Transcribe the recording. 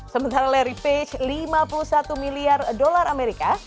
sementara larry page lima puluh satu miliar dolar amerika